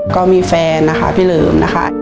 ก็มีแฟนพี่เหลิม